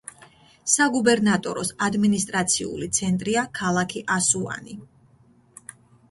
საგუბერნატოროს ადმინისტრაციული ცენტრია ქალაქი ასუანი.